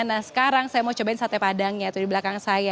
nah sekarang saya mau cobain sate padangnya tuh di belakang saya